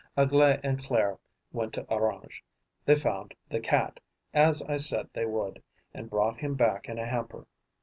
Aglae and Claire went to Orange. They found the Cat, as I said they would, and brought him back in a hamper.